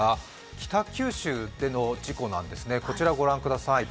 北九州での事故なんですね。